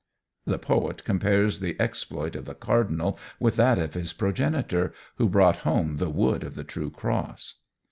The poet compares the exploit of the cardinal with that of his progenitor, who brought home the wood of the true cross.